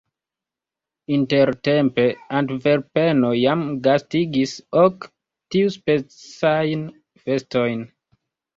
Intertempe Antverpeno jam gastigis ok tiuspecajn festojn.